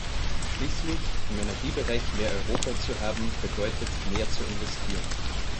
Schließlich, im Energiebereich mehr Europa zu haben, bedeutet, mehr zu investieren.